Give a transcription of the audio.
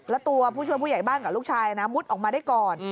แล้วตัวผู้ช่วยผู้ใหญ่บ้านกับลูกชายนะมุดออกมาได้ก่อน